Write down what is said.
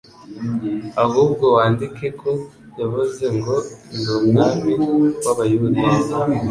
ahubwo wandike ko yavuze ngo: "Ndi Umwami w'abayuda".